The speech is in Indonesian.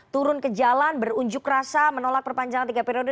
turun ke jalan berunjuk rasa menolak perpanjangan tiga periode